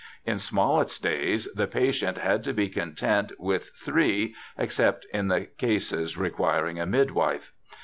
In Smollett's days the patient had to be content with three, except in the cases requiring a midwife.